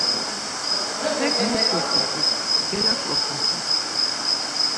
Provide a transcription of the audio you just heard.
Hek mot doxedu, gelat̆roxasen.